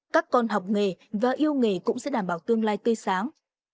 các con học nghề và yêu nghề cũng sẽ đảm bảo tương lai tươi sáng